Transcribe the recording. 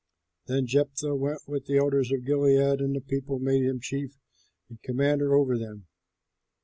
Then Jephthah went with the elders of Gilead, and the people made him chief and commander over them.